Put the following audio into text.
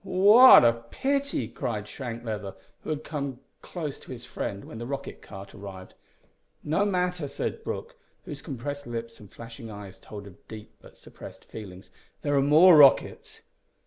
"What a pity!" cried Shank Leather, who had come close to his friend when the rocket cart arrived. "No matter," said Brooke, whose compressed lips and flashing eyes told of deep but suppressed feelings. "There are more rockets."